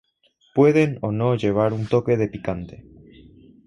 Pueden o no llevar un toque de picante.